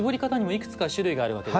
いくつか種類があるわけですね。